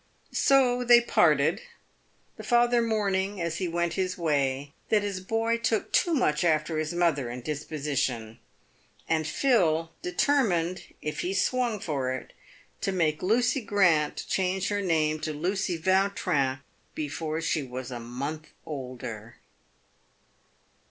So they parted : the father mourning, as he went his way, that his boy took too much after his mother in disposition ; and Phil deter mined, "if he swung for it," to make Lucy Grant change her name to Lucy Vautrin before she was a month older.